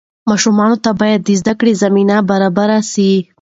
ماشومانو ته باید د زده کړې زمینه برابره سي.